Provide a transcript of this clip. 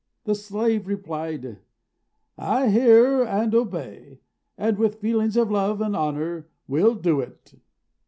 The slave replied, "I hear and obey, and with feelings of love and honour will I do it."